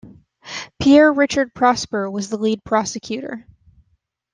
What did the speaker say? Pierre-Richard Prosper was the lead prosecutor.